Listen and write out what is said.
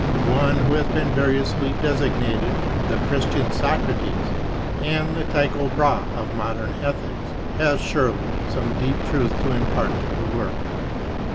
One who has been variously designated ' the Christian Socrates,' and ' the Tycho Brahe of modern ethics,' has surely some deep truth to impart to the world.